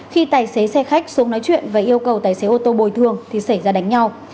khi tài xế xe khách xuống nói chuyện và yêu cầu tài xế ô tô bồi thường thì xảy ra đánh nhau